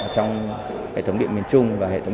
trong hệ thống điện miền trung